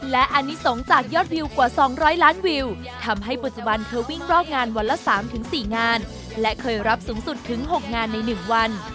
และอนิสงฆ์จากยอดวิวกว่า๒๐๐ล้านวิวทำให้ปัจจุบันเธอวิ่งรอบงานวันละ๓๔งานและเคยรับสูงสุดถึง๖งานใน๑วัน